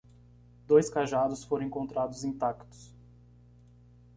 Dois cajados foram encontrados intactos